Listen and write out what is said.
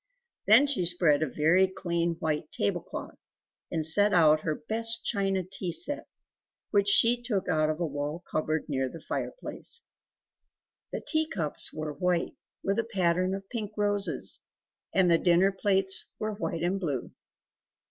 Then she spread a very clean white table cloth, and set out her best china tea set, which she took out of a wall cupboard near the fireplace. The tea cups were white with a pattern of pink roses; and the dinner plates were white and blue.